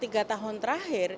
atau tiga tahun terakhir